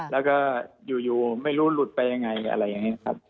แล้วก็อยู่ไม่รู้หลุดไปยังไงอะไรอย่างนี้ครับ